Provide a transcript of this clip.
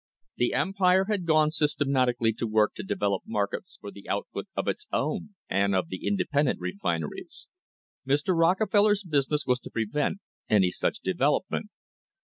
The Empire had gone systematically to work to develop markets for the output of its own and of the independent refineries. Mr. Rockefeller's business was to prevent any such develop ment.